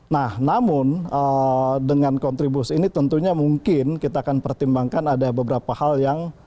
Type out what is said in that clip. nah namun dengan kontribusi ini tentunya mungkin kita akan pertimbangkan ada beberapa hal yang